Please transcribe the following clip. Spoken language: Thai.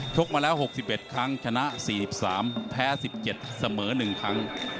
กมาแล้ว๖๑ครั้งชนะ๔๓แพ้๑๗เสมอ๑ครั้ง